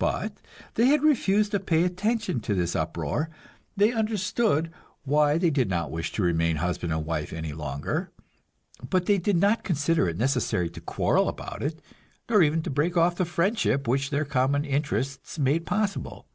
But they had refused to pay attention to this uproar; they understood why they did not wish to remain husband and wife any longer, but they did not consider it necessary to quarrel about it, nor even to break off the friendship which their common interests made possible.